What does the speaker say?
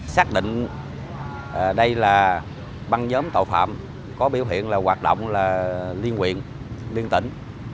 xác định đây là băng nhóm tội phạm có biểu hiện hoạt động liên nguyện liên tỉnh